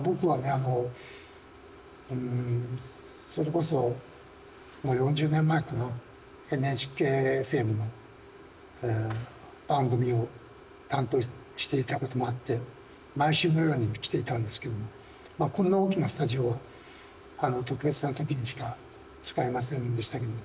あのそれこそもう４０年前かなＮＨＫの番組を担当していたこともあって毎週のように来ていたんですけどもこんな大きなスタジオは特別な時にしか使えませんでしたけど。